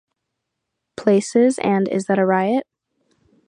Places" and "Is That a Riot?".